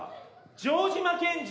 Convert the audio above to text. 城島健二。